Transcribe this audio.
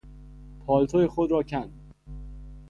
پالتو خود را کند.